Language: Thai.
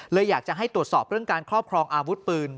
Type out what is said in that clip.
อยากจะให้ตรวจสอบเรื่องการครอบครองอาวุธปืน